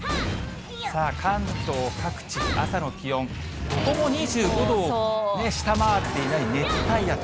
さあ、関東各地、朝の気温、どこも２５度をね、下回っていない熱帯夜と。